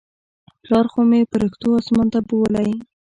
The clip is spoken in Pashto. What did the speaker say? پلار خو مې پرښتو اسمان ته بولى.